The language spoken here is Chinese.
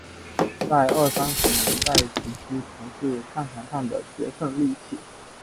在二三十年代时期曾经是战场上的决胜利器。